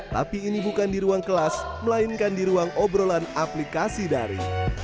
tapi ini bukan di ruang kelas melainkan di ruang obrolan aplikasi dari